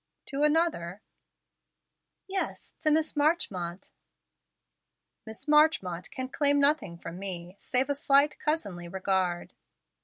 "To another?" "Yes; to Miss Marchmont." "Miss Marchmont can claim nothing from me, save a slight cousinly regard."